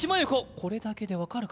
これだけでわかるか？